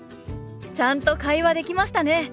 ちゃんと会話できましたね！